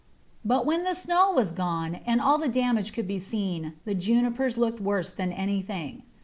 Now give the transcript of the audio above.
But when the snow was gone and all the damage could be seen, the Junipers looked worse than anything.